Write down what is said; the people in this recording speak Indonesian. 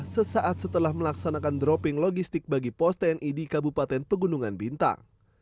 sesaat setelah melaksanakan dropping logistik bagi pos tni di kabupaten pegunungan bintang